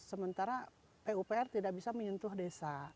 sementara pupr tidak bisa menyentuh desa